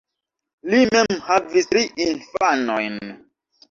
Li mem havis tri infanojn.